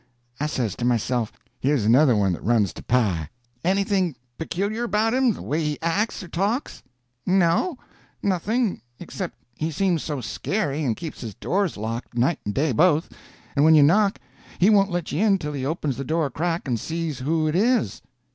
I says to myself, here's another one that runs to pie. "Anything peculiar about him?—the way he acts or talks?" "No—nothing, except he seems so scary, and keeps his doors locked night and day both, and when you knock he won't let you in till he opens the door a crack and sees who it is."